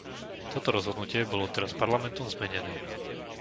Toto rozhodnutie bolo teraz Parlamentom zmenené.